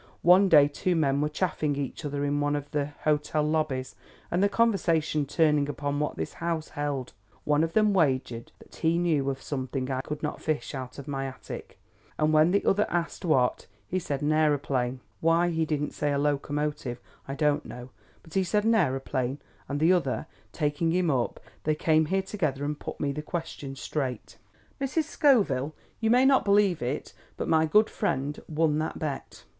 One day two men were chaffing each other in one of the hotel lobbies, and the conversation turning upon what this house held, one of them wagered that he knew of something I could not fish out of my attic, and when the other asked what, he said an aeroplane Why he didn't say a locomotive, I don't know; but he said an aeroplane, and the other, taking him up, they came here together and put me the question straight. Mrs. Scoville, you may not believe it, but my good friend won that bet.